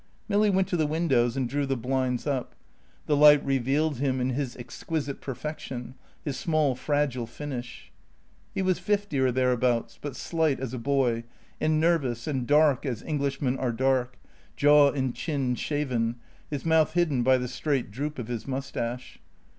Milly went to the windows and drew the blinds up. The light revealed him in his exquisite perfection, his small fragile finish. He was fifty or thereabouts, but slight as a boy, and nervous, and dark as Englishmen are dark; jaw and chin shaven; his mouth hidden by the straight droop of his moustache.